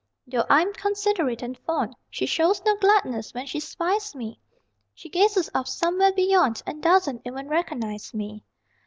Though I'm considerate and fond, She shows no gladness when she spies me She gazes off somewhere beyond And doesn't even recognize me.